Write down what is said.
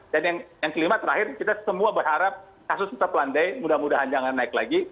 dan yang kelima terakhir kita semua berharap kasus kita pelan pelan mudah mudahan jangan naik lagi